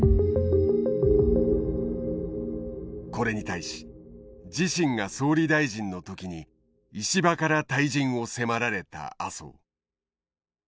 これに対し自身が総理大臣の時に石破から退陣を迫られた麻生。